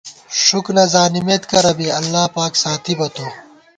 ݭُک نہ زانِمېت کرہ بی، اللہ پاک ساتِبہ تو